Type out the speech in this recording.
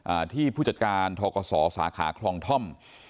อ่าที่ผู้จัดการทกศสาขาคลองท่อม